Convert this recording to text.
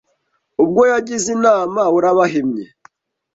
Ubwo yagize inama urabahimye